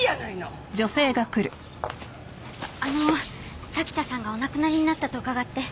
あの滝田さんがお亡くなりになったと伺って。